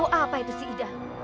oh apa itu si ida